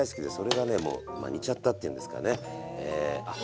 もうまあ似ちゃったっていうんですかね。